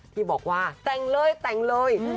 ที่บอกว่าแต่งเลยแต่งเลย